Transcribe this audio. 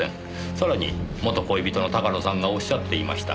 さらに元恋人の高野さんがおっしゃっていました。